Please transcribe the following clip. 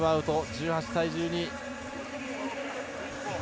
１８対１２。